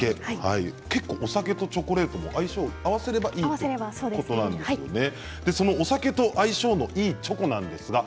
お酒とチョコレート相性を合わせればいいということなんですよね。